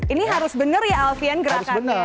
ini harus benar ya alfian gerakannya